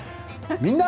「みんな！